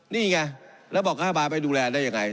นี่ไงแล้วบอกรัฐบาลไปดูแลได้ยังไง